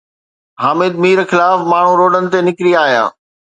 حامد مير خلاف ماڻهو روڊن تي نڪري آيا